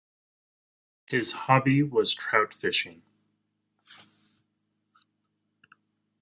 His hobby was trout fishing.